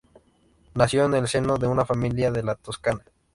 Nació en el seno de una familia de la Toscana.